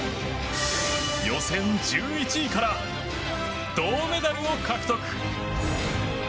予選１１位から銅メダルを獲得。